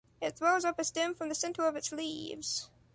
It throws up a stem from the center of its leaves.